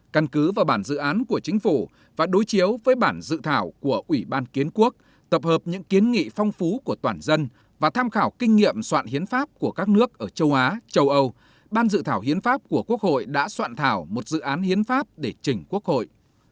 căn cứ vào bản dự án của chính phủ và đối chiếu với bản dự thảo của ủy ban kiến quốc tập hợp những kiến nghị phong phú của toàn dân và tham khảo kinh nghiệm soạn hiến pháp của các nước ở châu á châu âu ban dự thảo hiến pháp của quốc hội đã soạn thảo một dự án hiến pháp để chỉnh quốc hội